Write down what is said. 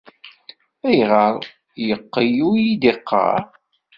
Ayɣer ay yeqqel ur iyi-d-yeɣɣar?